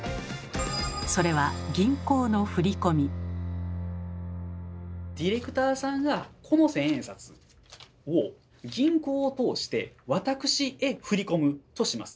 それはディレクターさんがこの千円札を銀行を通して私へ振り込むとします。